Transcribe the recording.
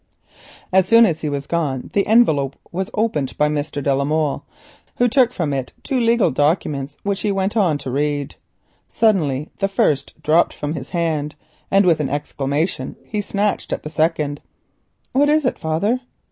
As soon as he had gone the envelope was opened by Mr. de la Molle, who took from it two legal looking documents which he began to read. Suddenly the first dropped from his hand, and with an exclamation he snatched at the second. "What is it, father?"